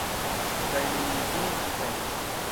Kaj nun mi tien ĉi venis.